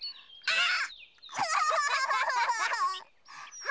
あっ！